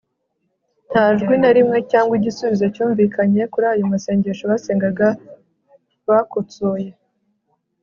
Nta jwi na rimwe cyangwa igisubizo cyumvikanye kuri ayo masengesho basengaga bakotsoye